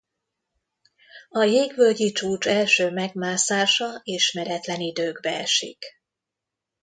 A Jég-völgyi-csúcs első megmászása ismeretlen időkbe esik.